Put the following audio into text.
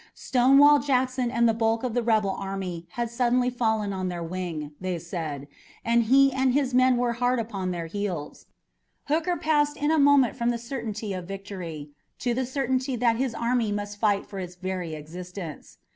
Stonewall Jackson and the bulk of the rebel army had suddenly fallen on their wing, they said, and he and his men were hard upon their heels. Hooker passed in a moment from the certainty of victory to the certainty that his army must fight for its very existence.